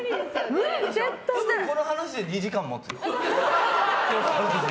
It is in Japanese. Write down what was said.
この話で２時間持つよ。